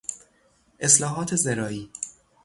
اصلاحات زراعی